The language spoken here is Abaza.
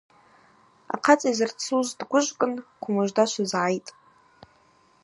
Ахъацӏа йзырцуз дгвыжвкӏын: Кву мыжда швызгӏайтӏ.